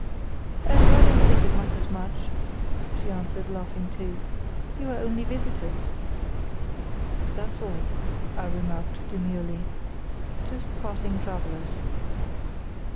"Oh, I don't think it matters much," she answered, laughing too. "You are only visitors." "That's all," I remarked, demurely. "Just passing travellers."